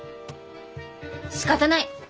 しかたない！